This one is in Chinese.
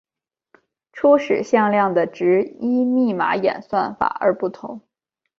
初始向量的值依密码演算法而不同。